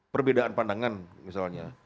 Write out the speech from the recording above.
perbedaan pandangan misalnya